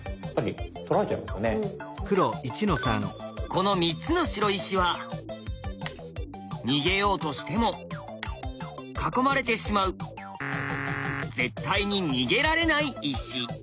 この３つの白石は逃げようとしても囲まれてしまう絶対に逃げられない石。